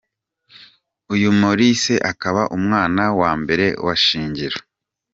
Uyu Maryse akaba umwana wa mbere wa Shingiro.